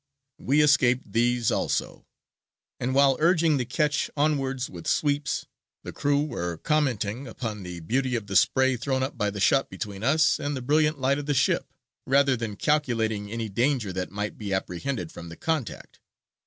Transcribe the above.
We escaped these also, and while urging the ketch onwards with sweeps, the crew were commenting upon the beauty of the spray thrown up by the shot between us and the brilliant light of the ship, rather than calculating any danger that might be apprehended from the contact.